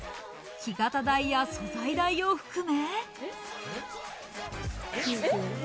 木型代や素材代を含め。